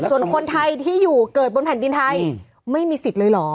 ส่วนคนไทยที่อยู่เกิดบนแผ่นดินไทยไม่มีสิทธิ์เลยเหรอ